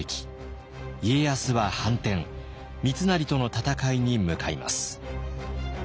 家康は反転三成との戦いに向かいます。